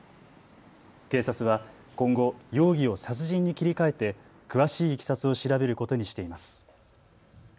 警察は今後、容疑を殺人に切り替えて詳しいいきさつを調べることにしています。